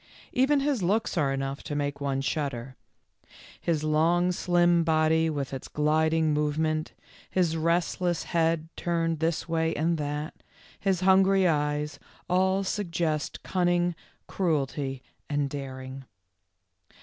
Even his looks are enough to make one shudder. His long, slim body with its gliding movement, his restless head turned this way and that, his hungry eyes, all suggest cunning, cruelty, and daring.